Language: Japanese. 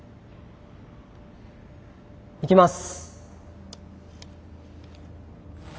いきます。